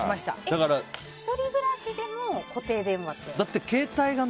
１人暮らしでも固定電話ですか？